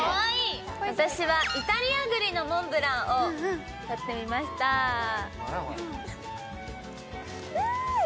私はイタリア栗のモンブランを取ってみましたうん！